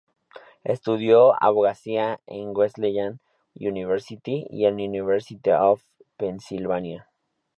Estudió abogacía en Wesleyan University y en la University of Pennsylvania.